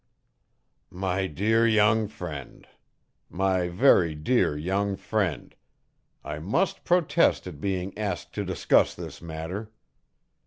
"My dear young friend! My very dear young friend! I must protest at being asked to discuss this matter.